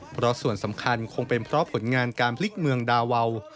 เพราะส่วนสำคัญคงเป็นเพราะผลงานการพลิกเมืองดาวาว